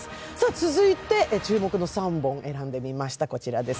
続いて注目の３本を選んでみましたこちらです。